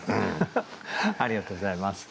ありがとうございます。